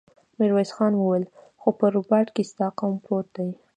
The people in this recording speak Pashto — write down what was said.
ميرويس خان وويل: خو په رباط کې ستا قوم پروت دی.